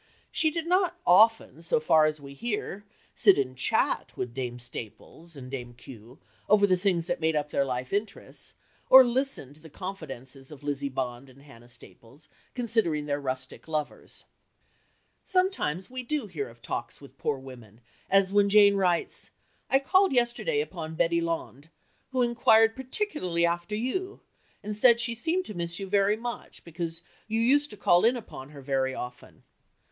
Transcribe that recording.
She did not often, so far as we hear, sit and chat with Dame Staples and Dame Kew over the things that made up their life interests, or listen to the confidences of Lizzie Bond and Hannah Staples concerning their rustic lovers. Sometimes we do hear of talks with poor women, as when Jane writes, "I called yesterday upon Betty Londe, who inquired particularly after you, and said she seemed to miss you very much, because you used to call in upon her very often.